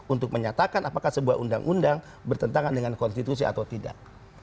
untuk menyatakan apakah sebuah undang undang bertentangan dengan konstitusi atau tidak